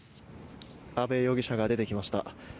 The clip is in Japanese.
阿部容疑者が出てきました。